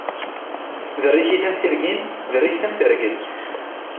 Berrikit am tirgin, berriket am terget.